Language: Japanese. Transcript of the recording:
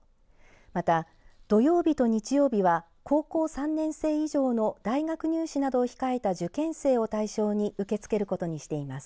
また、土曜日と日曜日は高校３年生以上の大学入試などを控えた受験生を対象に受け付けることにしています。